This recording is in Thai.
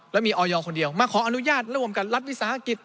และมีออยคนเดียวมาขออนุญาตร่วมกับรัฐวิสาหกิจ